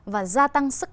và gia tăng sức khỏe